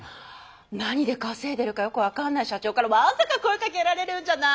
何で稼いでるかよく分かんない社長からわんさか声かけられるんじゃない？